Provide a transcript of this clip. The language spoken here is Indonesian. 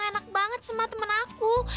enak banget sama temen aku